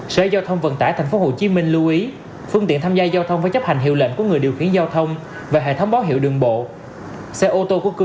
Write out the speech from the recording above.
sở giao thông vận tải tp hcm lưu ý phương tiện tham gia giao thông với chấp hành hiệu lệnh của người điều khiển giao thông và hệ thống báo hiệu đường bộ